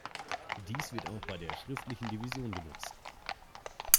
Dies wird auch bei der schriftlichen Division genutzt.